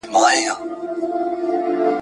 هر محفل ته به په یاد یم له زمان سره همزولی ..